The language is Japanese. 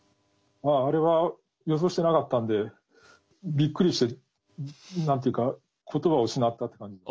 あれは予想してなかったんでびっくりして何ていうか言葉を失ったって感じで。